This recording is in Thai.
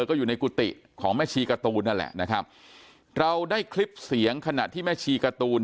ก็อยู่ในกุฏิของแม่ชีการ์ตูนนั่นแหละนะครับเราได้คลิปเสียงขณะที่แม่ชีการ์ตูน